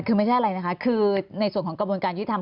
คือไม่ใช่อะไรนะคะคือในส่วนของกระบวนการยุทธรรม